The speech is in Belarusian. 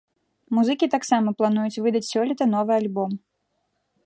Музыкі таксама плануюць выдаць сёлета новы альбом.